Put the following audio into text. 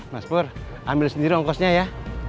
mas pur ambil sendiri ongkosnya ya